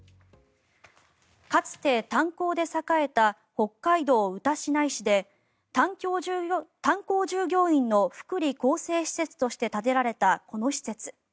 かつて炭鉱で栄えた北海道歌志内市で炭鉱従業員の福利厚生施設として建てられたこの施設。